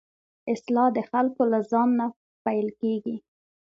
اصلاح د خلکو له ځان نه پيل کېږي.